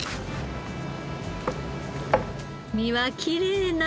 身はきれいな赤身。